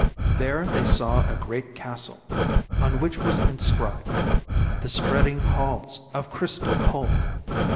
There they saw a great castle on which was inscribed: "The Spreading Halls of Crystal Cold."